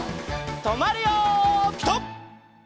とまるよピタ！